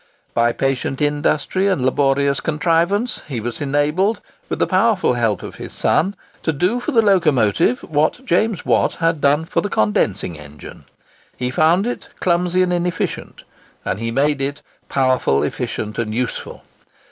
By patient industry and laborious contrivance, he was enabled, with the powerful help of his son, to do for the locomotive what James Watt had done for the condensing engine. He found it clumsy and inefficient; and he made it powerful, efficient, and useful.